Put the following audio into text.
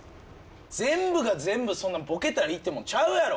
全部が全部そんなボケたらいいってもんちゃうやろ！